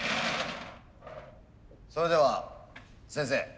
それでは先生